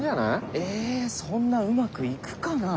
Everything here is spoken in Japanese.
えそんなうまくいくかなぁ。